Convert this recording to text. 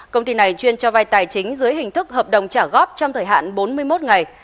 công ty này chuyên cho vai tài chính dưới hình thức hợp đồng trả góp trong thời hạn bốn mươi một ngày